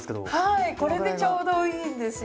はいこれでちょうどいいんですよ。